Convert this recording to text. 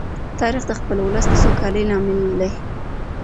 تاریخ د خپل ولس د سوکالۍ لامل دی.